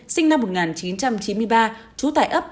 sinh năm một nghìn chín trăm chín mươi ba trú tại ấp